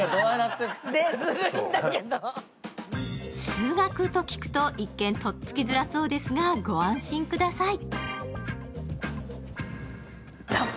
数学と聞くと、一見、とっつきにくそうですが、ご安心ください。